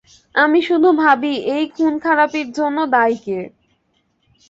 আমি শুধু ভাবি এই খুনখারাপির জন্য দায়ী কে?